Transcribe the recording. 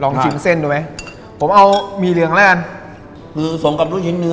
ชิมเส้นดูไหมผมเอาหมี่เหลืองแล้วกันคือสมกับลูกชิ้นเนื้อ